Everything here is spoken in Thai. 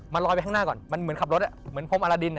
ลอยไปข้างหน้าก่อนมันเหมือนขับรถเหมือนพรมอารดิน